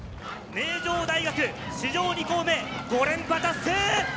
名城大学、史上２校目、５連覇達成！